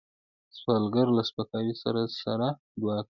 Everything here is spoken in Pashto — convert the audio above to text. سوالګر له سپکاوي سره سره دعا کوي